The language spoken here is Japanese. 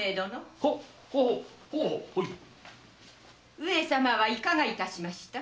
上様はいかがいたしました？